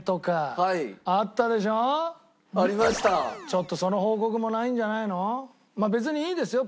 ちょっとその報告もないんじゃないの？